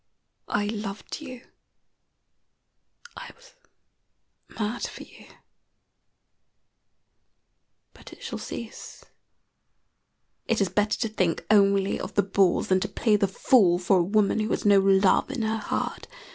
I loved you, I was mad for you; but it shall cease. It is better to think only of the bulls than to play the fool for a woman who has no love in her heart.